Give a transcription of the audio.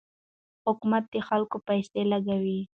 حکومت د خلکو پیسې لګوي.